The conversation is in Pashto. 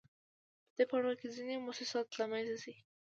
په دې پړاو کې ځینې موسسات له منځه نه ځي